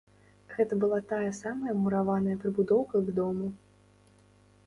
Гэта была тая самая мураваная прыбудоўка к дому.